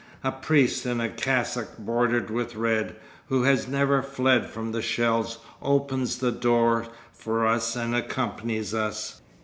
A priest in a cassock bordered with red, who has never fled from the shells, opens the door for us and accompanies us.